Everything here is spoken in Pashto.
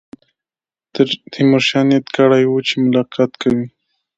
تیمورشاه نیت کړی وو چې ملاقات کوي.